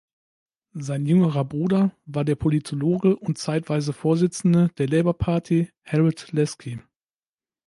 Sein jüngerer Bruder war der Politologe und zeitweise Vorsitzende der Labour Party Harold Laski.